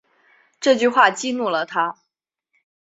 这句话激怒了他